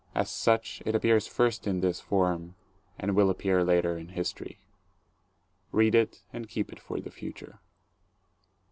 As such it appears first in this form and will appear later in history. Read it and keep it for the future.